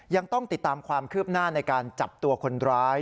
ยังต้องติดตามความคืบหน้าในการจับตัวคนร้าย